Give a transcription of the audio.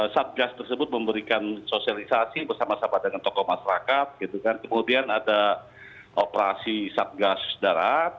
subgas tersebut memberikan sosialisasi bersama sama dengan tokoh masyarakat gitu kan kemudian ada operasi subgas darat